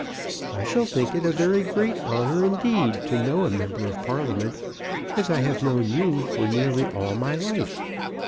I shall think it a very great honour indeed to know a member of Parliament, as I have known you for nearly all my life.